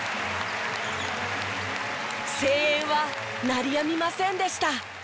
声援は鳴りやみませんでした。